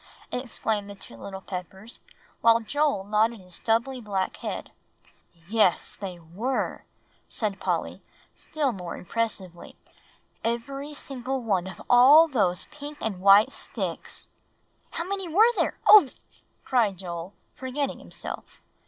exclaimed the two little Peppers, while Joel nodded his stubbly black head. "Yes, they were," said Polly, still more impressively; "every single one of all those pink and white sticks." "How many were there ugh!" cried Joel, forgetting himself.